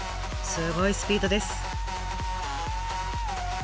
すごいスピードです。